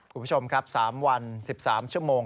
คุณผู้ชมครับ๓วัน๑๓ชั่วโมง